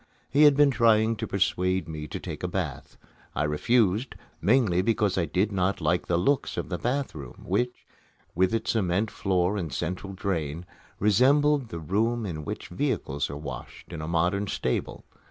He had been trying to persuade me to take a bath. I refused, mainly because I did not like the looks of the bath room, which, with its cement floor and central drain, resembled the room in which vehicles are washed in a modern stable.